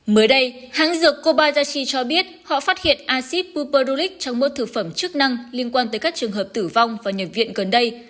mới đây hãng dược kobayashi cho biết họ phát hiện acid buperulic trong một thực phẩm chức năng liên quan tới các trường hợp tử vong và nhập viện gần đây